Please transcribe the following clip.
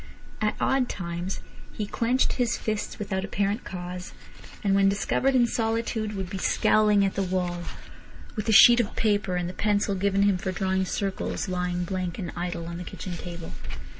At odd times he clenched his fists without apparent cause, and when discovered in solitude would be scowling at the wall, with the sheet of paper and the pencil given him for drawing circles lying blank and idle on the kitchen table.